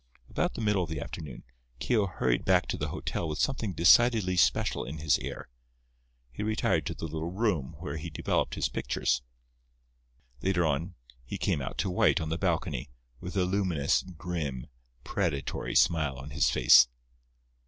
About the middle of the afternoon, Keogh hurried back to the hotel with something decidedly special in his air. He retired to the little room where he developed his pictures. Later on he came out to White on the balcony, with a luminous, grim, predatory smile on his face.